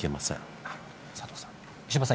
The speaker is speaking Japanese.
佐藤さん。